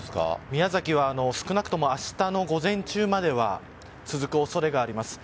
宮崎は少なくとも明日の午前中までは続く恐れがあります。